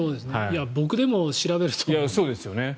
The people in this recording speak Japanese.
僕でも調べると思います。